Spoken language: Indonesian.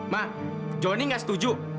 mbak joni gak setuju